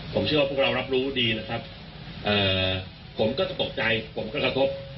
ผมเชื่อว่าพวกเรารับรู้ดีนะครับผมก็จะตกใจผมก็กระทบ